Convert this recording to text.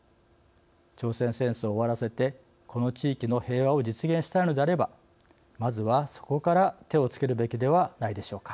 朝鮮戦争を終わらせてこの地域の平和を実現したいのであればまずは、そこから手をつけるべきではないでしょうか。